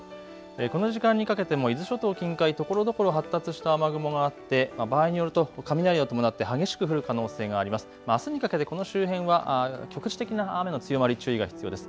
この時間にかけても伊豆諸島近海ところどころ発達した雨雲があって場合によると雷を伴って激しく降る可能性があります。